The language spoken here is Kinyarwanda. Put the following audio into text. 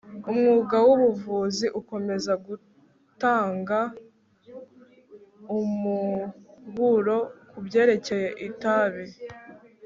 umwuga wubuvuzi ukomeza gutanga umuburo kubyerekeye itabi